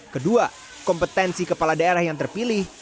kedua kompetensi kepala daerah yang terpilih